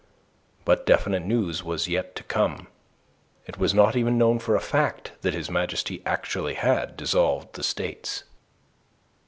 But definite news was yet to come. It was not even known for a fact that His Majesty actually had dissolved the States.